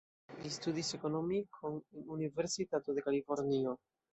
Li studis ekonomikon en Universitato de Kalifornio.